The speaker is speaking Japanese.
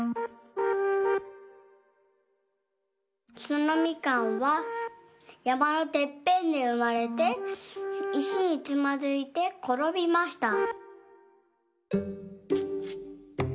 そのみかんはやまのてっぺんでうまれていしにつまずいてころびました。